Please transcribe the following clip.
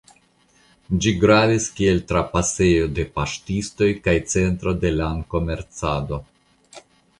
Ĝi gravis kiel trapasejo de paŝtistoj kaj centro de lankomercado.